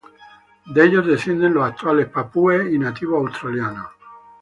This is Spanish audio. De ellos descienden los actuales papúes y nativos australianos.